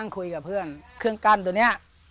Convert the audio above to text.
ครั้งที่๑๑